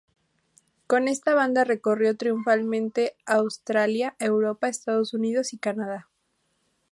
Con esta banda recorrió triunfalmente Australia, Europa, Estados Unidos y Canadá.